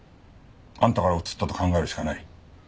あんたからうつったと考えるしかない。